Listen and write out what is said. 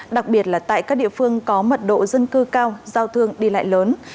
đặc biệt là tại các địa phương có mật độ dân cư cao giao thương đi lại lớn